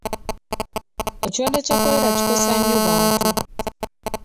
Ekirwadde kya Kkolera kikosa nnyo bantu.